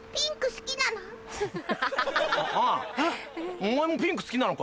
お前もピンク好きなのか？